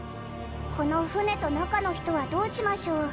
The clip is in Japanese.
この船と中の人はどうしましょう？